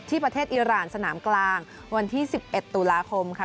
ประเทศอิราณสนามกลางวันที่๑๑ตุลาคมค่ะ